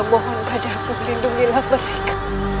hamba mohon padaku lindungilah mereka